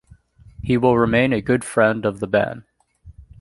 He will remain a good friend of the ban.